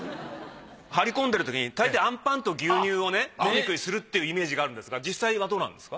張り込んでるときに大抵あんパンと牛乳をね飲み食いするっていうイメージがあるんですが実際はどうなんですか？